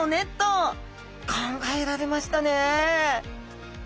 考えられましたね